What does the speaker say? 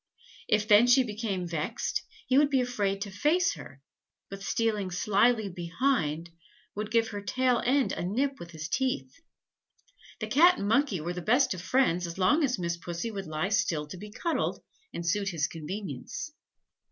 If then she became vexed, he would be afraid to face her, but stealing slily behind, would give her tail end a nip with his teeth. The Cat and Monkey were the best of friends as long as Miss Pussy would lie still to be cuddled, and suit his convenience.